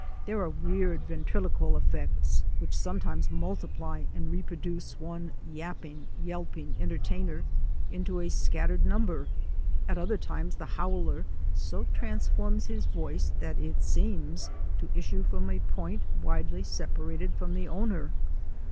There are weird, ventriloquial effects which sometimes multiply and reproduce one yapping, yelping entertainer PLAY AND PRANKS OF WILD FOLK 207 into a scattered number. At other times the howler so transfers his voice that it seems to issue from a point widely separated from the owner.